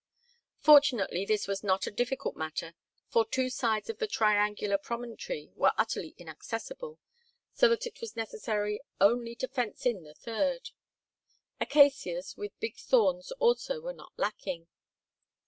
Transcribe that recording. Fortunately this was not a difficult matter, for two sides of the triangular promontory were utterly inaccessible, so that it was necessary only to fence in the third. Acacias with big thorns also were not lacking.